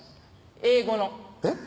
英語のえっ？